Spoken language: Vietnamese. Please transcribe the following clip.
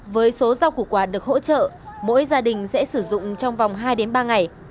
với số rau củ quả được hỗ trợ mỗi gia đình sẽ sử dụng trong vòng hai ba ngày